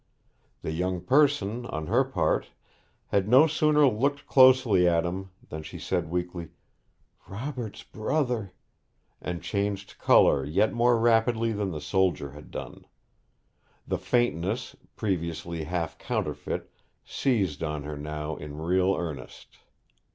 The young person, on her part, had no sooner looked closely at him than she said weakly, 'Robert's brother!' and changed colour yet more rapidly than the soldier had done. The faintness, previously half counterfeit, seized on her now in real earnest.